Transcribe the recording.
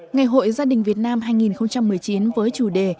ngày hội gia đình việt nam hai nghìn một mươi chín với chủ đề